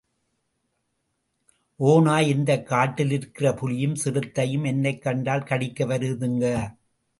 ஒநாய் இந்தக் காட்டிலிருக்கிற புலியும் சிறுத்தையும் என்னைக் கண்டால் கடிக்க வருதுங்க.